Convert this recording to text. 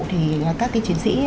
thì các chiến sĩ